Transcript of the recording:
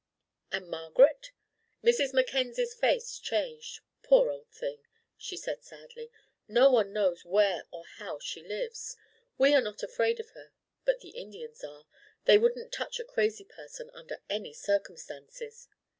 "And Margaret?" Mrs. Mackenzie's face changed. "Poor old thing," she said sadly, "no one knows where or how she lives. We are not afraid of her, but the Indians are. They wouldn't touch a crazy person under any circumstances."